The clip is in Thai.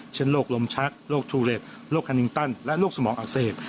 เช่นโรคลมชักโรคทูเล็ตโรคคานิงตันและโรคสมองอักเสบ